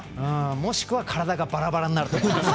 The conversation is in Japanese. もしくは体がバラバラになると思います。